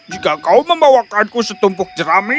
jika kau membawakanku setumpuk jerami